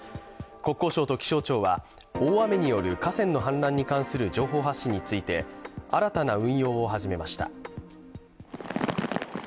国交省と気象庁は大雨による河川の氾濫に関する情報発信について新たな運用を始めました。